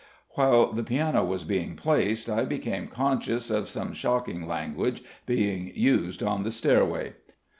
While the piano was being placed I became conscious of some shocking language being used on the stairway.